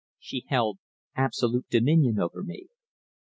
She held absolute dominion over me.